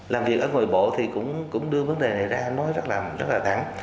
làm việc ở ngồi bộ thì cũng đưa vấn đề